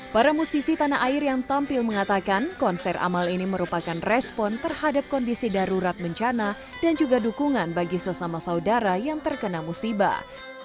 para musisi tanah air yang tampil mengatakan konser amal ini merupakan respon terhadap kondisi darurat bencana dan juga dukungan bagi sesama saudara yang terkena musibah